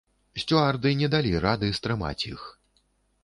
Сцюарды не далі рады стрымаць іх.